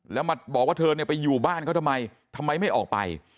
แล้วมาบอกว่าเธอเนี่ยไปอยู่บ้านเขาทำไมทำไมไม่ออกไป